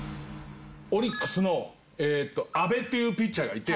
オリックスの阿部っていうピッチャーがいて。